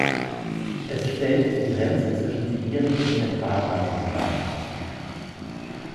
Es stellt die Grenze zwischen Sibirien und Zentralasien dar.